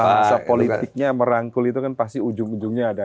bahasa politiknya merangkul itu kan pasti ujung ujungnya ada